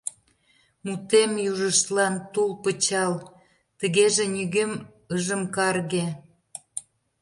Мутем южыштлан — тул пычал, тыгеже нигӧм ыжым карге.